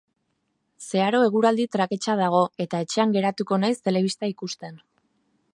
Zeharo eguraldi traketsa dago eta etxean geratuko naiz telebista ikusten.